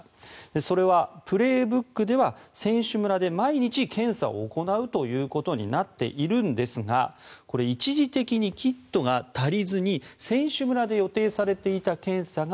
それは「プレーブック」では選手村で毎日検査を行うということになっているんですがこれ、一時的にキットが足りずに選手村で予定されていた検査が